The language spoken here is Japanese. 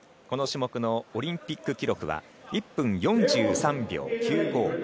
この種目のオリンピック記録は１分４３秒９５。